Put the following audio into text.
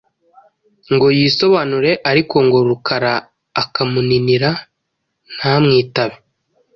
ngo yisobanure ariko ngo Rukara akamuninira ntamwitabe